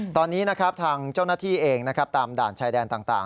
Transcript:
ตอนนี้ทางเจ้าหน้าที่เองตามด่านชายแดนต่าง